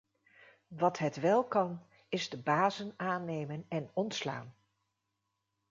Wat het wel kan, is de bazen aannemen en ontslaan.